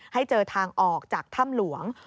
ให้เจอทางออกจากถ้ำหลวง